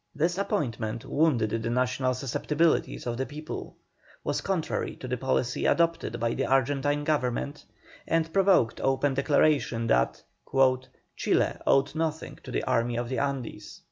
This appointment wounded the national susceptibilities of the people, was contrary to the policy adopted by the Argentine government, and provoked open declarations that "Chile owed nothing to the Army of the Andes."